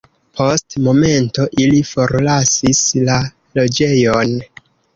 Post momento ili forlasis la loĝejon.